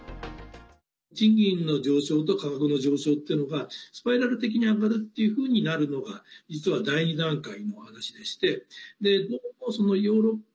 賃金の上昇と価格の上昇っていうのがスパイラル的に上がるっていうふうになるのが実は第２段階の話でしてどうもヨーロッパ